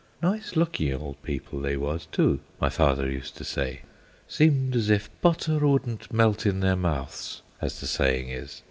Nice looking old people they was too, my father used to say; seemed as if butter wouldn't melt in their mouths, as the saying is.